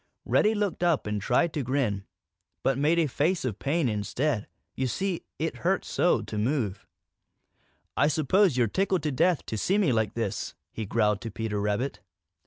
Reddy looked up and tried to grin, but made a face of pain instead. You see, it hurt so to move. "I suppose you're tickled to death to see me like this," he growled to Peter Rabbit.